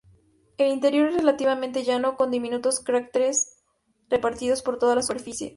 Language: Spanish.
El interior es relativamente llano, con diminutos cráteres repartidos por toda la superficie.